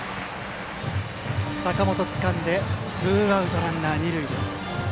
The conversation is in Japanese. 坂元がつかんでツーアウトランナー、二塁です。